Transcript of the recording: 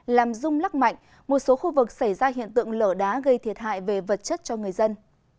làm rung lắc mạnh một số khu vực xảy ra hiện tượng lở đá gây thiệt hại về vật chất cho người dân